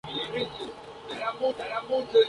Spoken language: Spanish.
Su carrera profesional comenzó en el mundo del modelaje.